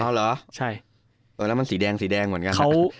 เออแล้วมันสีแดงเหมือนกัน